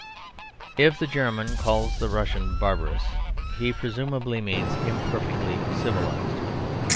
If the German calls the Russian barbarous he presumably means imperfectly civilised.